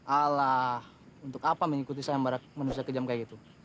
alah untuk apa mengikuti sembarang manusia kejam kayak gitu